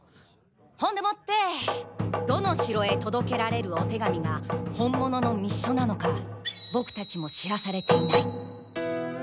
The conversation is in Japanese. ほんでもってどの城へ届けられるお手紙が本物の密書なのかボクたちも知らされていない。